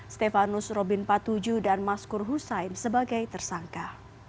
stefanus robin patuju dan maskur hussein sebagai tersangka